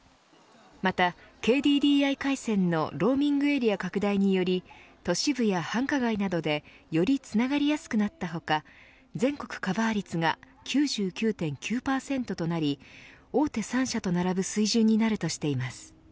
また、ＫＤＤＩ回線のローミングエリア拡大により都市部や繁華街などでよりつながりやすくなった他全国カバー率が９９．９％となり大手３社と並ぶ水準になるとしています。